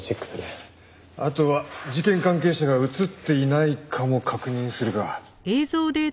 あとは事件関係者が映っていないかも確認するか。